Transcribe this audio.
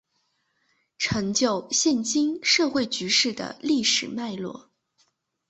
成就现今社会局势的历史脉络